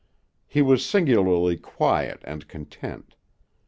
He was singularly quiet and content.